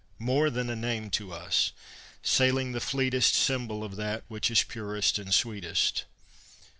More than a name to us, sailing the fleetest, Symbol of that which is purest and sweetest.